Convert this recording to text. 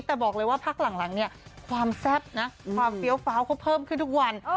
แต่บอกเลยว่าภาคหลังความแซ่บความเฟี้ยวเฟ้าเขาเพิ่มขึ้นทุกวัน